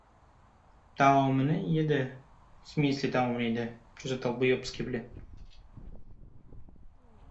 Taomini yedi.